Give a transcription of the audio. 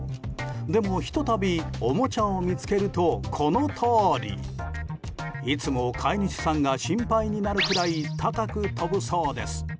でも、ひと度おもちゃを見つけるとこのとおり。いつも飼い主さんが心配になるくらい高く飛ぶそうです。